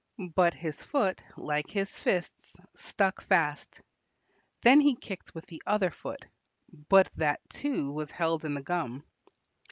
But his foot, like his fists, stuck fast. Then he kicked with the other foot, but that too was held in the gum.